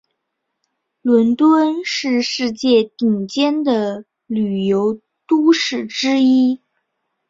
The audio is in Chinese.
伦敦是世界顶尖的旅游都市之一。